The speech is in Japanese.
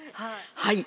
はい。